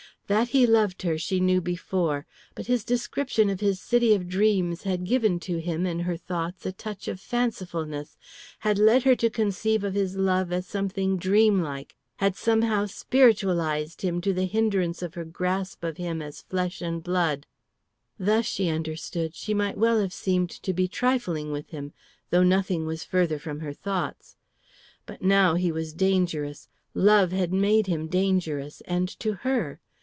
That he loved she knew before, but his description of his city of dreams had given to him in her thoughts a touch of fancifulness, had led her to conceive of his love as something dreamlike, had somehow spiritualised him to the hindrance of her grasp of him as flesh and blood. Thus, she understood, she might well have seemed to be trifling with him, though nothing was further from her thoughts. But now he was dangerous; love had made him dangerous, and to her.